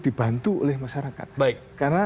dibantu oleh masyarakat karena